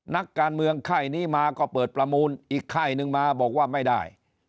นักการเมืองค่ายนี้มาก็เปิดประมูลอีกค่ายหนึ่งมาบอกว่าไม่ได้